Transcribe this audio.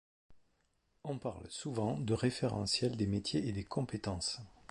On parle souvent de référentiel des métiers et des compétences.